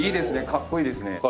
かっこいいですね。